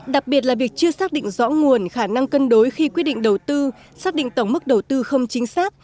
đặc biệt là việc chưa xác định rõ nguồn khả năng cân đối khi quyết định đầu tư xác định tổng mức đầu tư không chính xác